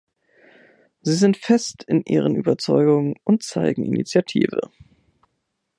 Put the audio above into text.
Sie sind fest in ihren Überzeugungen und zeigen Initiative.